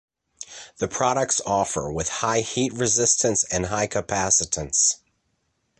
The products offer with high heat resistance and high capacitance.